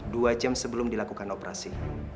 dua jam sebelum dilakukan operasi